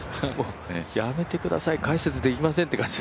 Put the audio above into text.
やめてください、解説できませんって感じ。